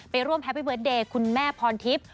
ร่วมแฮปปี้เบิร์ตเดย์คุณแม่พรทิพย์